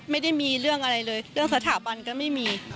ไม่ได้มีเรื่องอะไรเลยเรื่องสถาบันก็ไม่มี